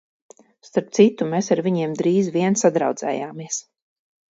Starp citu, mēs ar viņiem drīz vien sadraudzējāmies.